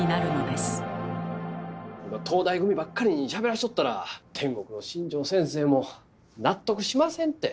東大組ばっかりにしゃべらせとったら天国の新城先生も納得しませんて。